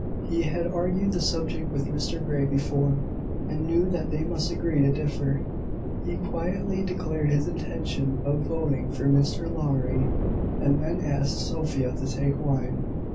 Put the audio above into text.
He had argued the subject with Mr Grey before, and knew that they must agree to differ. He quietly declared his intention of voting for Mr Lowry, and then asked Sophia to take wine.